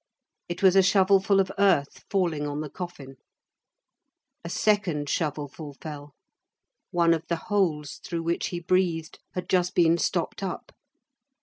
It was a shovelful of earth falling on the coffin. A second shovelful fell. One of the holes through which he breathed had just been stopped up.